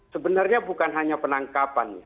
sebenarnya bukan hanya penangkapan